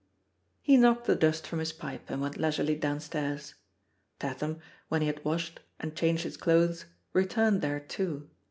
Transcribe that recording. He knocked the dust from his pipe, and went leisiffely downstairs. Tatham, when he had washed, and changed his clothes, returned there too.